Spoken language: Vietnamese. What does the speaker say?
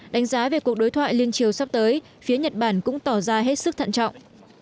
đánh giá về cuộc đối thoại liên triều sắp tới phía nhật bản cũng tỏ ra hết sức thận trọng